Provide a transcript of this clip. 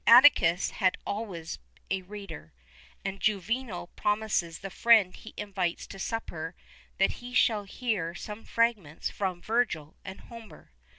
[XXXI 9] Atticus had always a reader;[XXXI 10] and Juvenal promises the friend he invites to supper that he shall hear some fragments from Virgil and Homer.